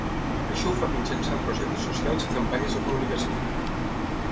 Això ho fa mitjançant projectes socials i campanyes de comunicació.